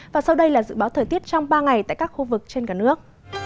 và sau đây là dự báo thời tiết trong ba ngày tại các khu vực trên cả nước